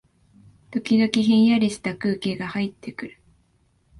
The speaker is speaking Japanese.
時々、ひんやりした空気がはいってくる